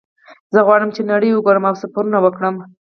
زه غواړم چې نړۍ وګورم او سفرونه وکړم